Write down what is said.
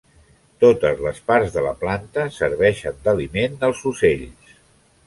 Totes les parts de la planta serveixen d'aliment als ocells.